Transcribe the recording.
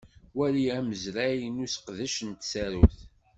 Wali amazray n useqdec n tsarut.